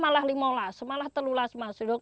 malah lebih terlalu larang